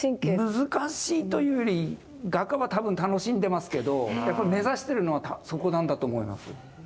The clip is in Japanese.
難しいというより画家は多分楽しんでますけどやっぱ目指してるのはそこなんだと思います。